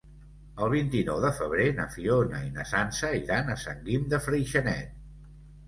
El vint-i-nou de febrer na Fiona i na Sança iran a Sant Guim de Freixenet.